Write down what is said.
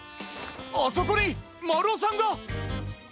あそこにまるおさんが。